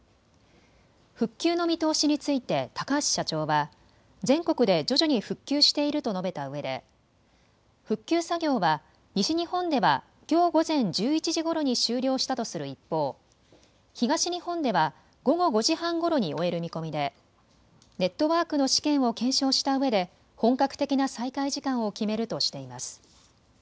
復旧の見通しについて高橋社長は全国で徐々に復旧していると述べたうえで復旧作業は西日本ではきょう午前１１時ごろに終了したとする一方、東日本では午後５時半ごろに終える見込みでネットワークの試験を検証したうえで本格的な再開時間を決めるとしています。